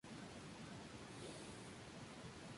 Ese era el pensamiento de este Artista.